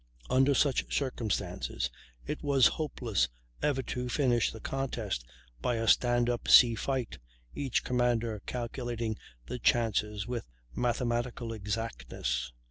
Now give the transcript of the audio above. Under such circumstances it was hopeless ever to finish the contest by a stand up sea fight, each commander calculating the chances with mathematical exactness.